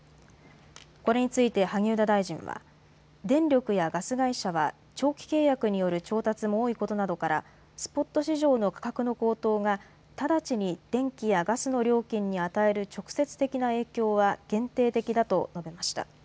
これについて萩生田大臣は電力やガス会社は長期契約による調達も多いことなどからスポット市場の価格の高騰が直ちに電気やガスの料金に与える直接的な影響は限定的だと述べました。